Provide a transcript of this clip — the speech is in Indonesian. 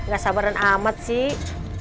gak sabaran amat sih